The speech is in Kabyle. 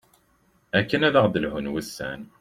akken ad aɣ-d-lhun wussan